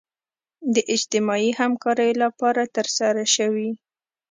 د اجتماعي همکاریو لپاره ترسره شوي.